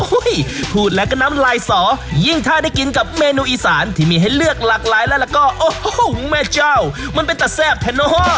พูดแล้วก็น้ำลายสอยิ่งถ้าได้กินกับเมนูอีสานที่มีให้เลือกหลากหลายแล้วก็โอ้โหแม่เจ้ามันเป็นแต่แซ่บแพโน่